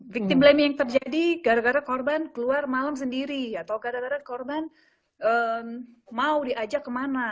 victim blaming terjadi gara gara korban keluar malam sendiri atau kadang kadang korban mau diajak kemana